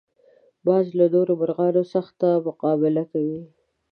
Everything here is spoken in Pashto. باز له نورو مرغانو سخته مقابله کوي